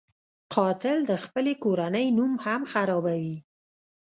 قاتل د خپلې کورنۍ نوم هم خرابوي